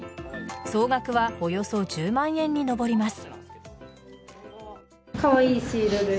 総額はおよそ１０万円に上ります。